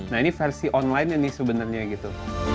nah ini versi online nya nih sebenarnya gitu